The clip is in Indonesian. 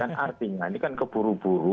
kan artinya ini kan keburu buru